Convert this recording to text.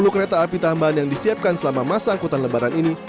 sepuluh kereta api tambahan yang disiapkan selama masa angkutan lebaran ini